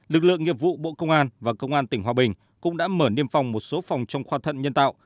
lực lượng nghiệp vụ bộ công an và công an tỉnh hòa bình cũng đã mở niêm phong một số phòng trong khoa thận nhân tạo